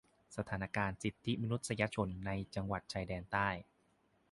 สถานการณ์สิทธิมนุษยชน ในจังหวัดชายแดนใต้